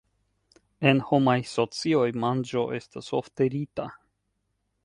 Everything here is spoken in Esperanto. En homaj socioj, manĝo estas ofte rita.